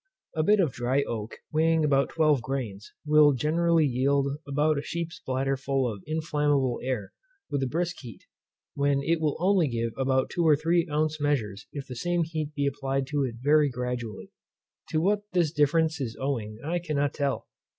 A bit of dry oak, weighing about twelve grains, will generally yield about a sheep's bladder full of inflammable air with a brisk heat, when it will only give about two or three ounce measures, if the same heat be applied to it very gradually. To what this difference is owing, I cannot tell.